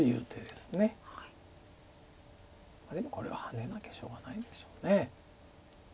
でもこれはハネなきゃしょうがないでしょう。